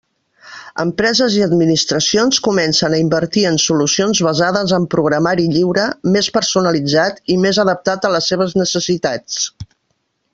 Empreses i administracions comencen a invertir en solucions basades en programari lliure, més personalitzat i més adaptat a les seves necessitats.